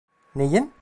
Neyin?